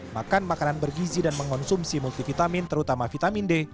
makan makanan bergizi dan mengonsumsi multivitamin terutama vitamin d